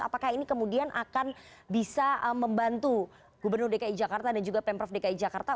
apakah ini kemudian akan bisa membantu gubernur dki jakarta dan juga pemprov dki jakarta